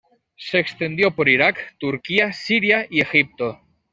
Se extendió por Irak, Turquía, Siria y Egipto.